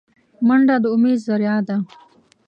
منډه د امید ذریعه ده